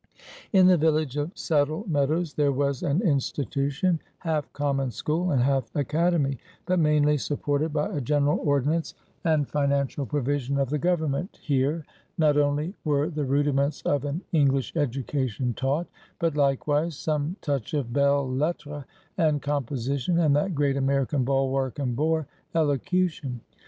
In the village of Saddle Meadows there was an institution, half common school and half academy, but mainly supported by a general ordinance and financial provision of the government Here, not only were the rudiments of an English education taught, but likewise some touch of belles lettres, and composition, and that great American bulwark and bore elocution.